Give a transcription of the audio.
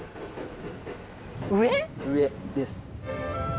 上です。